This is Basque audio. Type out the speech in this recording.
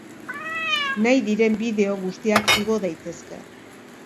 Nahi diren bideo guztiak igo daitezke.